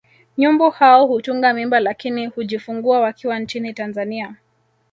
Nyumbu hao hutunga mimba lakini hujifungua wakiwa nchini Tanzania